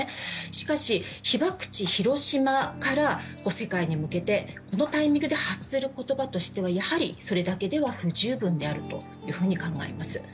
しかし、被爆地・広島から世界に向けてこのタイミングで発する言葉としてはやはりそれだけでは不十分であるというふうに考えます。